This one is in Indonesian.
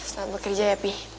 selamat bekerja ya pi